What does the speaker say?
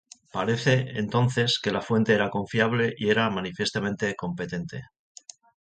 Parece, entonces, que la fuente era confiable y era manifiestamente competente.